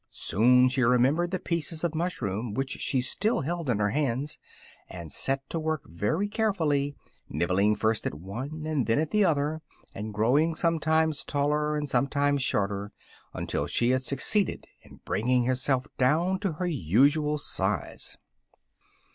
Soon she remembered the pieces of mushroom which she still held in her hands, and set to work very carefully, nibbling first at one and then at the other, and growing sometimes taller and sometimes shorter, until she had succeeded in bringing herself down to her usual size.